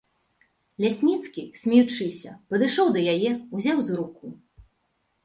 Лясніцкі, смеючыся, падышоў да яе, узяў за руку.